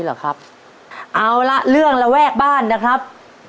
เอาล่ะเรื่องระแวกบ้านนะครับ